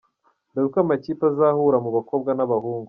Dore uko amakipe azahura mu bakobwa n’abahungu.